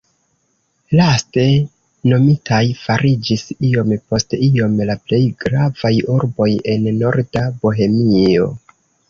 Laste nomitaj fariĝis iom post iom la plej gravaj urboj en norda Bohemio.